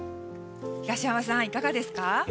東山さん、いかがですか？